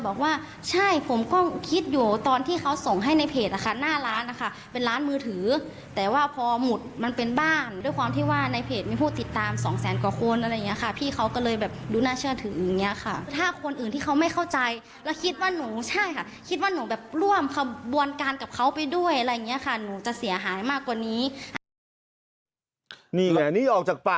แบบดูน่าเชื่อถึงอย่างเนี่ยค่ะถ้าคนอื่นที่เค้าไม่เข้าใจแล้วคิดว่านูใช่ค่ะ